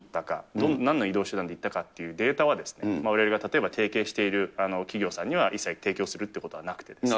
いつ何時、どこに行ったか、なんの移動手段で行ったかというデータは、われわれが例えば提携している企業さんには、一切提供するっていうことはなくってですね。